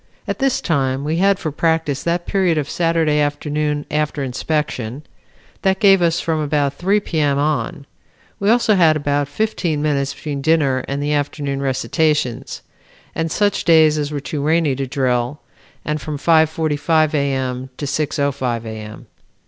At this time we had for practice that period of Saturday afternoon after inspection. That gave us from about 3 P. M. on. We also had about fifteen minutes between dinner and the afternoon recitations, and such days as were too rainy to drill, and from 5:45 A. M., to 6:05 A. M.